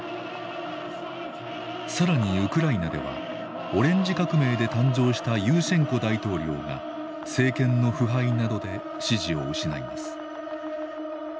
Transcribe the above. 更にウクライナではオレンジ革命で誕生したユーシェンコ大統領が政権の腐敗などで支持を失います。